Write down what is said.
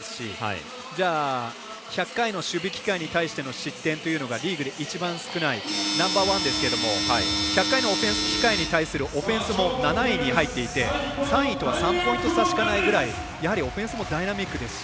やはり彼らとて７割以上の勝率を誇っているわけですしじゃあ、１００回の守備機会に対しての失点というのがリーグで一番少ないナンバーワンですけれども１００回のオフェンス機会に対するオフェンスも７位に入っていて、３位とは３ポイント差しかないくらいやはりオフェンスもダイナミックですし。